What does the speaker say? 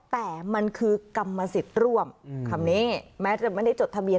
แต่มันคือกรรมสิทธิ์ร่วมคำนี้แม้จะไม่ได้จดทะเบียน